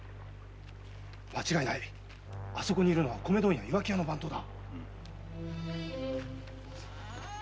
間違いないあそこにいるのは米問屋・岩城屋の番頭だ。